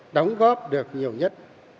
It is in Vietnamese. đóng góp được nhiều nhất